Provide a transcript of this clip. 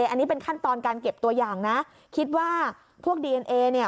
อันนี้เป็นขั้นตอนการเก็บตัวอย่างนะคิดว่าพวกดีเอ็นเอเนี่ย